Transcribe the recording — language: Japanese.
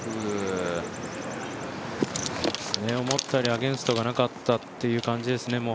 思ったよりアゲンストがなかったという感じですね。